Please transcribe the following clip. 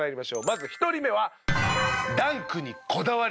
まず１人目は。